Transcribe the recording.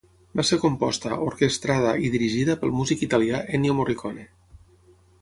Va ser composta, orquestrada i dirigida pel músic italià Ennio Morricone.